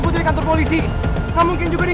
putri harus keluar dari sini